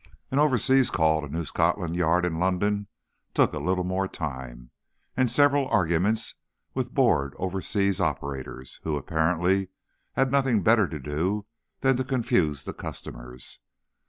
An overseas call to New Scotland Yard in London took a little more time, and several arguments with bored overseas operators who, apparently, had nothing better to do than to confuse the customers.